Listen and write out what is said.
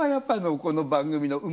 この番組は。